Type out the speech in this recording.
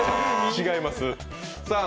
違います。